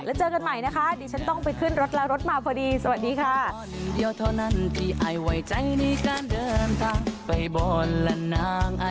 แล้วเจอกันใหม่นะคะดิฉันต้องไปขึ้นรถแล้วรถมาพอดีสวัสดีค่ะ